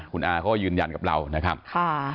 คุณอาก็ยืนยันกับเรานะครับ